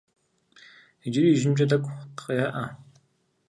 Иджыри ижьымкӏэ тӏэкӏу къеӏэ.